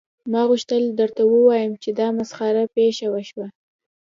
ما غوښتل درته ووایم چې دا مسخره پیښه وشوه